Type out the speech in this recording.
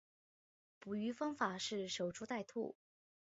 捕鱼方法是守株待兔。